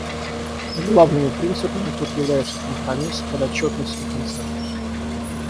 Главными принципами тут являются компромисс, подотчетность и консенсус.